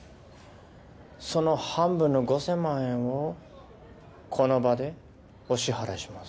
その半分の５，０００万円をこの場でお支払いします。